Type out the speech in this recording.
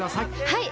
はい。